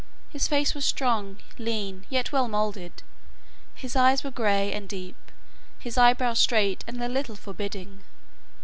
His face was strong, lean, yet well moulded. His eyes were grey and deep, his eyebrows straight and a little forbidding.